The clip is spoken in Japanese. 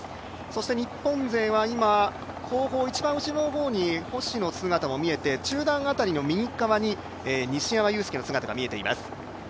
そして日本勢は今、後方一番後ろの方に星の姿が見えて中段辺りの右側に西山雄介の姿が見えています。